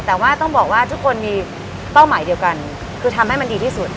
แต่ว่าต้องบอกว่าทุกคนมีเป้าหมายเดียวกันคือทำให้มันดีที่สุด